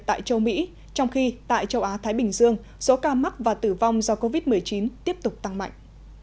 tại châu mỹ trong khi tại châu á thái bình dương số ca mắc và tử vong do covid một mươi chín tiếp tục tăng mạnh